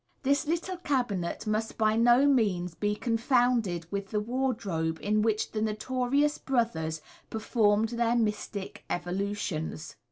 — This little cabinet must by no means be confounded with the wardrobe in which the notorious Brothers performed their mystic evolutions.